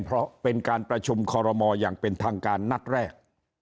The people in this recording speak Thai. เพราะเป็นการประชุมคอรมออย่างเป็นทางการนัดแรก